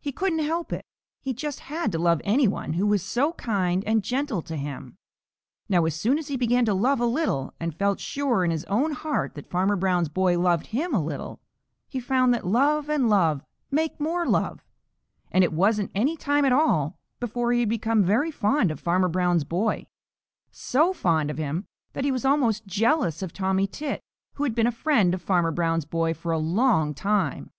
He couldn't help it. He just had to love any one who was so kind and gentle to him. Now as soon as he began to love a little, and felt sure in his own heart that Farmer Brown's boy loved him a little, he found that love and love make more love, and it wasn't any time at all before he had become very fond of Farmer Brown's boy, so fond of him that he was almost jealous of Tommy Tit, who had been a friend of Farmer Brown's boy for a long time.